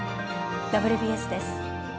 「ＷＢＳ」です。